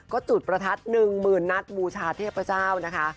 ก็จุดประทัดหนึ่งหมื่นนัดบูชาเทพเจ้านะคะ